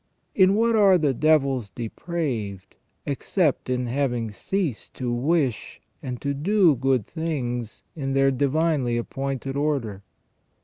In what are the devils depraved, except in having ceased to wish and to do good things in their divinely appointed order